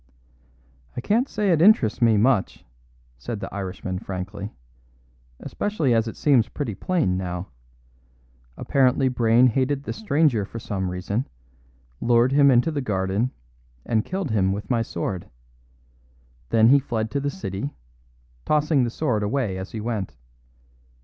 "I can't say it interests me much," said the Irishman frankly, "especially as it seems pretty plain now. Apparently Brayne hated this stranger for some reason; lured him into the garden, and killed him with my sword. Then he fled to the city, tossing the sword away as he went.